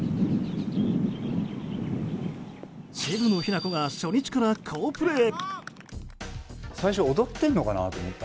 渋野日向子が初日から好プレー。